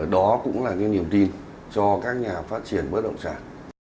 đó cũng là cái niềm tin cho các nhà phát triển bất động sản